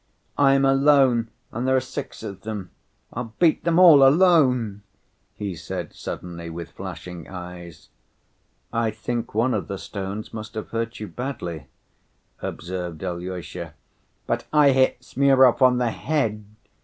"I am alone, and there are six of them. I'll beat them all, alone!" he said suddenly, with flashing eyes. "I think one of the stones must have hurt you badly," observed Alyosha. "But I hit Smurov on the head!"